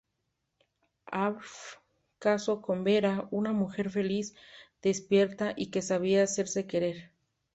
Alf casó con Bera, una mujer feliz, despierta y que sabía hacerse querer.